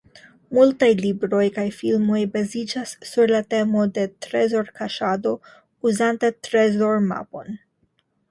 Multaj libroj kaj filmoj baziĝas sur la temo de trezorĉasado uzante trezormapon.